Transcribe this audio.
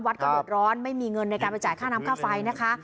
เดือดร้อนไม่มีเงินในการไปจ่ายค่าน้ำค่าไฟนะคะ